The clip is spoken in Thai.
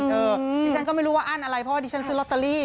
ดิฉันก็ไม่รู้ว่าอั้นอะไรเพราะว่าดิฉันซื้อลอตเตอรี่